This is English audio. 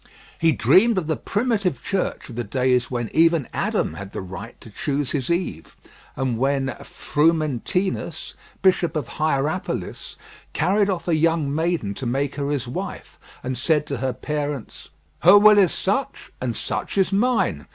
He dreamed of the Primitive Church of the days when even Adam had the right to choose his Eve, and when Frumentinus, Bishop of Hierapolis, carried off a young maiden to make her his wife, and said to her parents, "Her will is such, and such is mine.